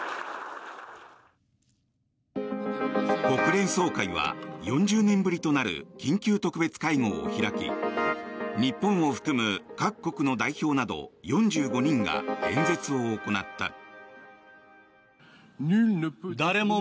国連総会は、４０年ぶりとなる緊急特別会合を開き日本を含む各国の代表など４５人が演説を行った。